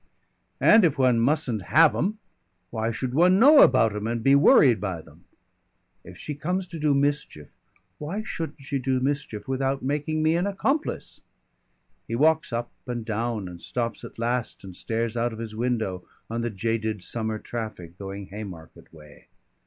"And if one mustn't have 'em, why should one know about 'em and be worried by them? If she comes to do mischief, why shouldn't she do mischief without making me an accomplice?" He walks up and down and stops at last and stares out of his window on the jaded summer traffic going Haymarket way.